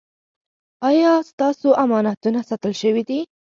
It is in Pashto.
ایا ستاسو امانتونه ساتل شوي دي؟